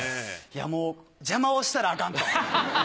いやもう邪魔をしたらアカンと。